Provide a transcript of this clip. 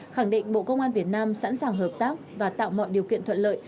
khẳng định bộ công an việt nam sẵn sàng hợp tác và tạo mọi điều kiện thuận lợi